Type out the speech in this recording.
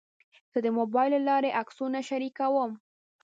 زه د موبایل له لارې عکسونه شریکوم.